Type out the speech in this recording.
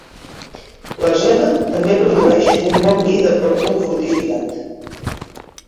La zona també produeix un bon vi de Porto fortificat.